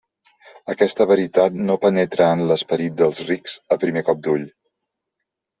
Aquesta veritat no penetra en l'esperit dels rics a primer cop d'ull.